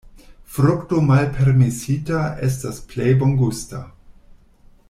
Frukto malpermesita estas plej bongusta.